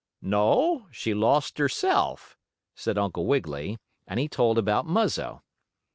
"No, she lost herself," said Uncle Wiggily, and he told about Muzzo.